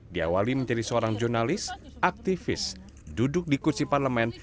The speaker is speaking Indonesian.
diawali menjadi seorang jurnalis aktivis duduk di kursi parlemen